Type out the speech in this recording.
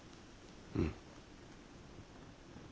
うん。